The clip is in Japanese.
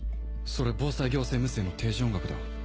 それ防災行政無線の定時音楽だ。